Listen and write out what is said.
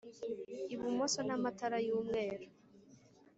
ibumoso n' amatara y' umweru